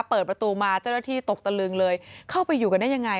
เปิดประตูมาเจ้าหน้าที่ตกตะลึงเลยเข้าไปอยู่กันได้ยังไง